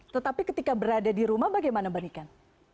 tetapi ketika berada di rumah bagaimana berikan